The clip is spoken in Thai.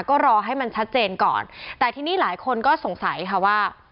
ก็รอให้มันชัดเจนก่อนแต่ทีนี้หลายคนก็สงสัยค่ะว่า